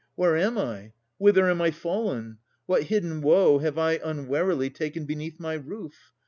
Where am I? Whither am I fallen? What hidden woe have I unwarily Taken beneath my roof?